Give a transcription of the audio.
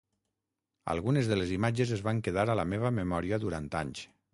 Algunes de les imatges es van quedar a la meva memòria durant anys.